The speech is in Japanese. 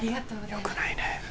よくないね。